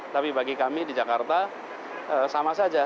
tapi bagi kami di jakarta sama saja